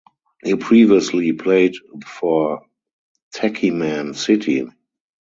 He previously played for Techiman City.